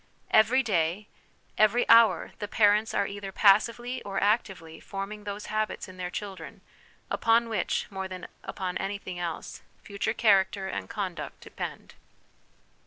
Every day, every hour, the parents are either passively or actively forming those habits in their children upon which, more than upon anything else, future character and conduct depend.